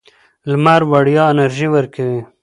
لمر وړیا انرژي ورکوي.